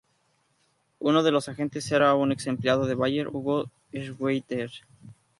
Uno de sus agentes era un ex-empleado de Bayer, Hugo Schweitzer.